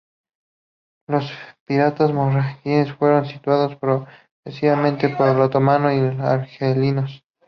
Los piratas marroquíes fueron sustituidos progresivamente por otomanos y argelinos.